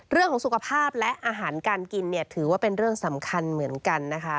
เรื่องของสุขภาพและอาหารการกินเนี่ยถือว่าเป็นเรื่องสำคัญเหมือนกันนะคะ